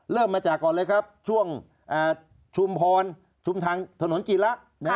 เริ่มมาจากก่อนเลยครับช่วงชุมพรชุมทางถนนกีระ